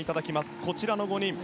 こちらの５人です。